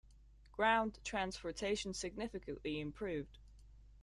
Ground transportation significantly improved.